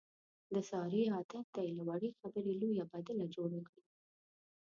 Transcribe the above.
د سارې عادت دی، له وړې خبرې لویه بدله جوړه کړي.